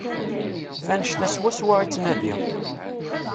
F annect-a swaswa i ttnadiɣ.